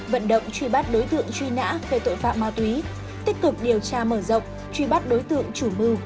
vận động truy bắt đối tượng truy nã về tội phạm ma túy tích cực điều tra mở rộng truy bắt đối tượng chủ mưu